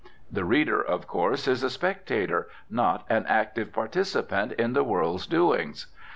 The reader, of course, is a spectator, not an active participant in the world's doings.